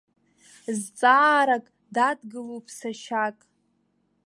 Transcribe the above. Зҵаарак дадгылоуп сашьак.